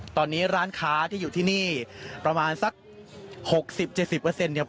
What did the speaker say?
ตอนนี้ร้านค้าที่อยู่ที่นี่ประมาณสักหกสิบเจ็ดสิบเปอร์เซ็นต์เนี่ย